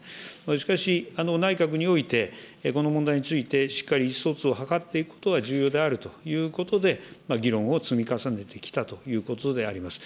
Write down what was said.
しかし、内閣において、この問題についてしっかり意思疎通を図っていくことは重要であるということで、議論を積み重ねてきたということであります。